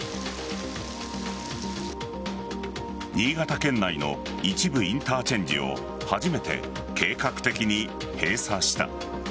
新潟県内の一部インターチェンジを初めて計画的に閉鎖した。